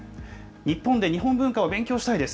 日本で日本文化を勉強したいです。